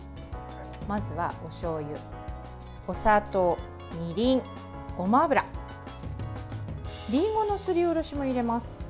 まずはおしょうゆ、お砂糖みりん、ごま油りんごのすりおろしも入れます。